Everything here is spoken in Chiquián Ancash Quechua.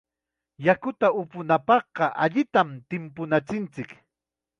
Yakuta upunapaqqa allitam timpuchinanchik.